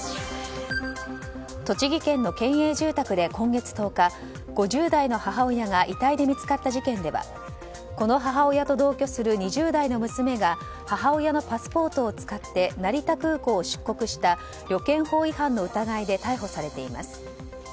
栃木県の県営住宅で今月１０日５０代の母親が遺体で見つかった事件ではこの母親と同居する２０代の娘が母親のパスポートを使って成田空港を出国した旅券法違反の疑いで逮捕されています。